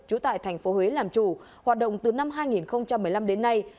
trú tại tp hcm làm chủ hoạt động từ năm hai nghìn một mươi năm đến nay